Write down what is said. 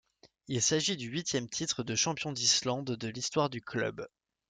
Il s'agit du huitième titre de champion d'islande de l'histoire du club.